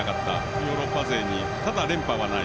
ヨーロッパ勢にただ、連覇はない。